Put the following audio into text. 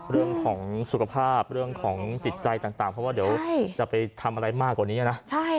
เรื่องของสุขภาพเรื่องของจิตใจต่างเพราะว่าเดี๋ยวจะไปทำอะไรมากกว่านี้นะ